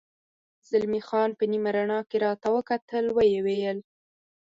زلمی خان په نیمه رڼا کې راته وکتل، ویې ویل.